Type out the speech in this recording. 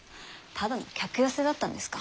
ただの客寄せだったんですか。